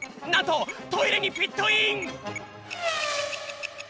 なんとトイレにピットイン！